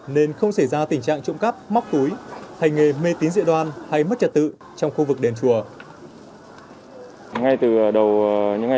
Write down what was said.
nên không xảy ra tình trạng trộm cắp móc túi hành nghề mê tín dị đoan hay mất trật tự trong khu vực đền chùa